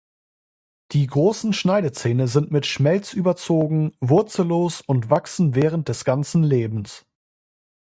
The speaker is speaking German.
Die großen Schneidezähne sind mit Schmelz überzogen, wurzellos und wachsen während des ganzen Lebens.